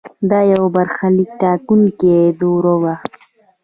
دا یو برخلیک ټاکونکې دوره وه.